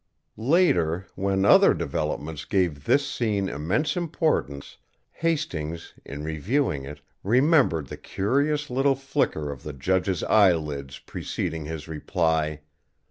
Later, when other developments gave this scene immense importance, Hastings, in reviewing it, remembered the curious little flicker of the judge's eyelids preceding his reply.